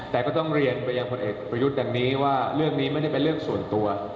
แต่ก็ต้องเรียนไปยังพลเอกประยุทธ์ดังนี้ว่าเรื่องนี้ไม่ได้เป็นเรื่องส่วนตัว